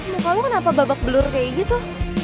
muka lo kenapa babak belur kayak gitu